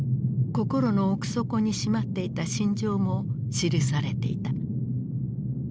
心の奥底にしまっていた心情も記されていた。